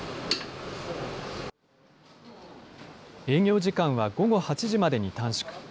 営業時間は午後８時までに短縮。